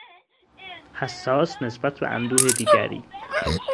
حساس نسبت به اندوه دیگری